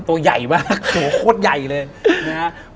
ตัวใหญ่มากตัวโคตรใหญ่เลยนะครับ